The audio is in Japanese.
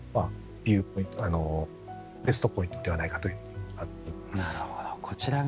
ベストポイントではないかと思います。